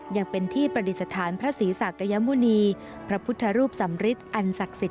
ยังเป็นที่ประดิษฐานพระศรีศักยมุณีพระพุทธรูปสำริทอันศักดิ์สิท